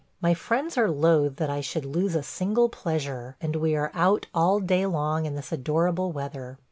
My friends are loath that I should lose a single pleasure, and we are out all day long in this adorable weather.